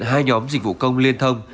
hai nhóm dịch vụ công liên thông